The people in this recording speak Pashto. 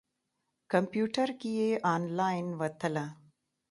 کمپیوټر کې یې انلاین وتله.